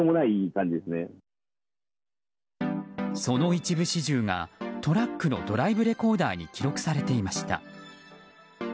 その一部始終がトラックのドライブレコーダーに記録されていました。